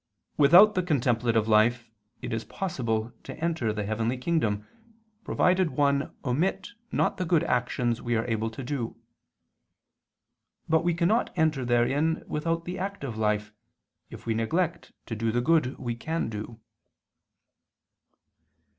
"Without the contemplative life it is possible to enter the heavenly kingdom, provided one omit not the good actions we are able to do; but we cannot enter therein without the active life, if we neglect to do the good we can do."